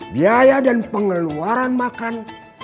biaya dan pengeluaran makan